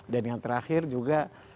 dan yang terakhir juga